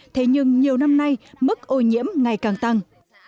thế nhưng nhiều năm nay mức ô nhiễm ngày càng tăng